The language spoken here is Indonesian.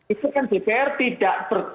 itu kan dpr tidak